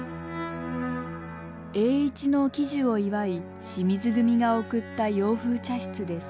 栄一の喜寿を祝い清水組が贈った洋風茶室です。